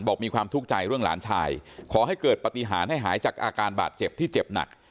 มีความทุกข์ใจเรื่องหลานชายขอให้เกิดปฏิหารให้หายจากอาการบาดเจ็บที่เจ็บหนัก